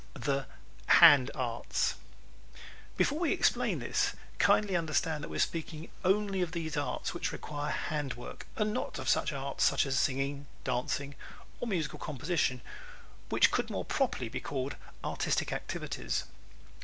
The "Hand Arts" ¶ Before we explain this, kindly understand that we are speaking only of those arts which require hand work and not of such arts as singing, dancing, or musical composition which could more properly be called artistic activities.